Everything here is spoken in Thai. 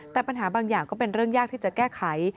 แต่ปัญหาบางอย่างก็เป็นเรื่องยากที่จะแก้ไข